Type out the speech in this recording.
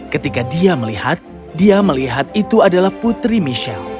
ketika dia melihat dia melihat itu adalah putri michelle